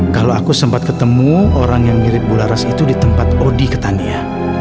kalau aku sempat ketemu orang yang mirip bularas itu di tempat odi ketania